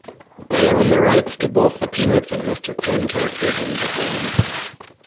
They own the rights to both the Peanuts and Mr. Men characters in Japan.